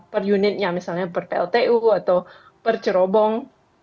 per unitnya misalnya per pltu atau per cerobong